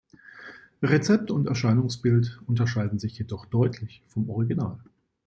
Rezept und Erscheinungsbild unterscheiden sich jedoch deutlich vom Original.